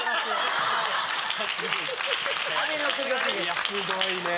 いやすごいね。